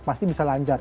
pasti bisa lancar